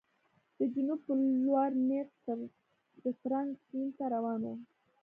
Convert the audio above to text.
د جنوب په لور نېغ د ترنک سیند ته روان و.